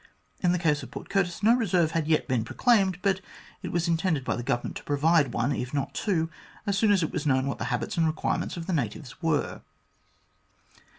In the case of Port Curtis no reserve had yet been proclaimed, but it was intended by the Government to provide one, if not two, as soon as it was known what the habits and require ments of the natives were.